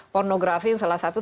pornografi yang salah satu